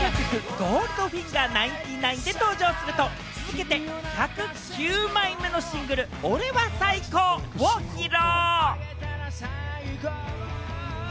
『Ｇｏｌｄｆｉｎｇｅｒ’９９』で登場すると、続けて１０９枚目のシングル『俺は最高！！！』を披露。